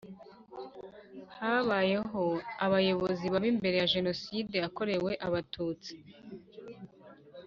Habayeho abayobozi babi mbere ya Jenoside yakorewe Abatutsi